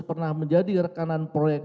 pernah menjadi rekanan proyek